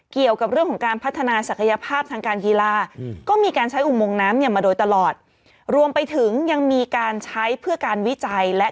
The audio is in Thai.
เกี่ยวกับเรื่องของการพัฒนาศักยภาพทางการกีฬา